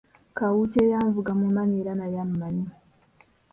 Kawuki eyanvuga mmumanyi era naye ammanyi.